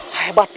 sekali gebrat teh